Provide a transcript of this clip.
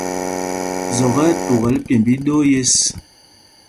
Zɔk ɛ́ ɛ́ tukɛl pyêmb íɗoo yɛ̂ɛs.